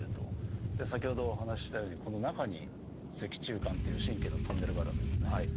先ほどお話ししたようにこの中に脊柱管っていう神経のトンネルがあるわけですね。